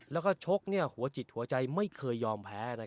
แล้วก็ชกหัวจิตหัวใจไม่เคยยอมแพ้